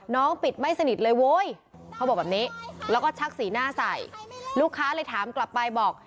น้องปิดไม่สนิทเลยโว้ยเขาบอกแบบนี้แล้วก็ชักสีหน้าใส่ลูกค้าเลยถามกลับไปบอก